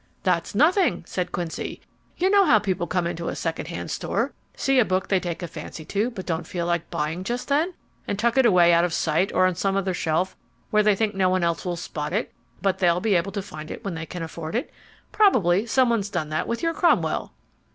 "That's nothing," said Quincy. "You know how people come into a second hand store, see a book they take a fancy to but don't feel like buying just then, and tuck it away out of sight or on some other shelf where they think no one else will spot it, but they'll be able to find it when they can afford it. Probably someone's done that with your Cromwell."